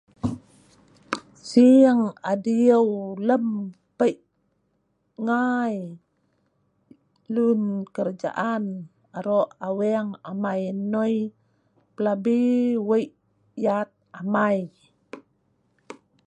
Sing adiu lem peik ngaii, lun kerajaan arok aweng amai noi, plabi weik yat amai.